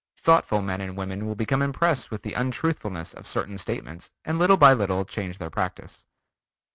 Thoughtful men and women will become impressed with the untruthfulness of certain statements and little by little change their practice.